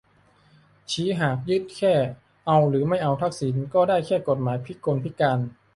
ชี้หากยึดแค่ เอาหรือไม่เอาทักษิณ ก็ได้แค่กฎหมายพิกลพิการ